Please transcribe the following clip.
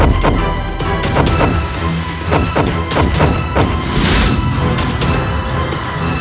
aku sangat merindukan ayah anda dan ibu undaku